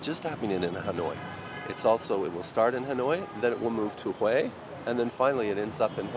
một lần nữa một lần nữa một lần nữa một lần nữa một lần nữa một lần nữa một lần nữa một lần nữa một lần nữa